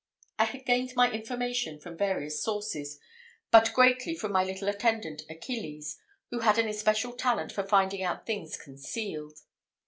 I had gained my information from various sources, but greatly from my little attendant Achilles, who had an especial talent for finding out things concealed.